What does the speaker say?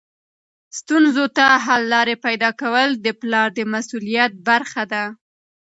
ستونزو ته حل لارې پیدا کول د پلار د مسؤلیت برخه ده.